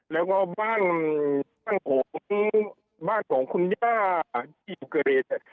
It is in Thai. แล้วก็บ้านของคุณย่าที่อยู่เกรด